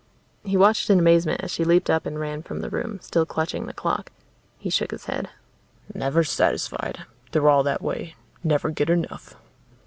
He watched in amazement as she leaped up and ran from the room, still clutching the clock. He shook his head. "Never satisfied. They're all that way. Never get enough."